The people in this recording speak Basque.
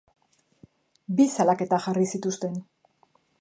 Biek salaketak jarri zituzten.